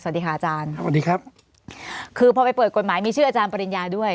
สวัสดีค่ะอาจารย์สวัสดีครับคือพอไปเปิดกฎหมายมีชื่ออาจารย์ปริญญาด้วย